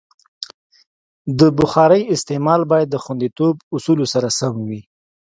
د بخارۍ استعمال باید د خوندیتوب اصولو سره سم وي.